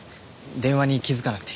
電話に気づかなくて。